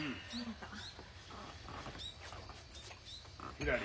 ひらり。